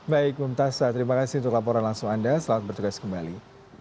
baik mumtasa terima kasih untuk laporan langsung anda selamat bertugas kembali